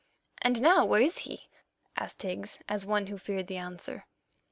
"And now where is he?" asked Higgs, as one who feared the answer.